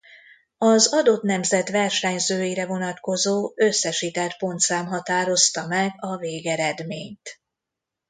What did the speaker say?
Az adott nemzet versenyzőire vonatkozó összesített pontszám határozta meg a végeredményt.